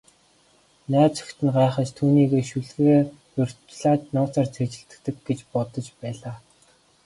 Найз охид нь гайхаж, түүнийг шүлгээ урьдчилаад нууцаар цээжилчихдэг гэж бодож байлаа.